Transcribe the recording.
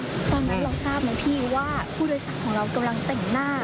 ตอนนั้นเราทราบไหมพี่ว่าผู้โดยสารของเรากำลังแต่งหน้า